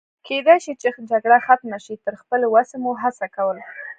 کېدای شي چې جګړه ختمه شي، تر خپلې وسې مو هڅه کول.